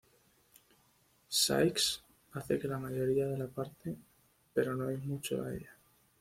Sykes hace que la mayoría de la parte, pero no hay mucho a ella.